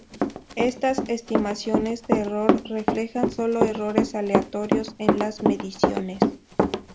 Estas estimaciones de error reflejan solo errores aleatorios en las mediciones.